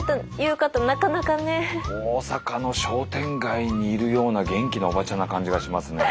大阪の商店街にいるような元気なおばちゃんな感じがしますね。